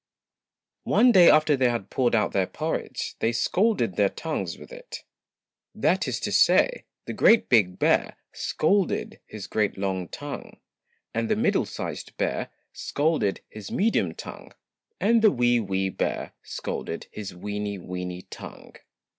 One day after they had poured out their porridge they scalded their tongues with it. That is to say, the GREAT BIG BEAR scalded his GREAT LONG TONGUE, and the MIDDLE SIZED BEAR scalded his MEDIUM TONGUE, and the WEE WEE BEAR scalded his WEENIE WEENIE TONGUE.